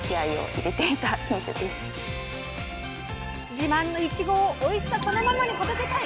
自慢のいちごをおいしさそのままに届けたい！